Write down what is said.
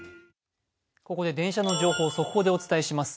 ここで電車の情報を速報でお伝えします。